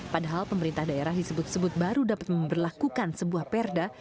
padahal pemerintah daerah disebut sebut baru dapat memperlakukan sebuah perda